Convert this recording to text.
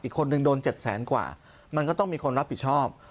อีกคนนึงโดน๗แสนกว่ามันก็ต้องมีคนรับผิดชอบ